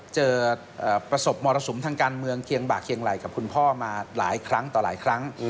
ประสบมรสุมทางการเมืองเคียงบากเคียงไหล่กับคุณพ่อมาหลายครั้งต่อหลายครั้ง